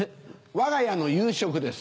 わが家の夕食です。